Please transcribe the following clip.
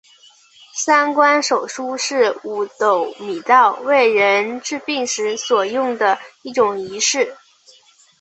三官手书是五斗米道为人治病时所用的一种仪式。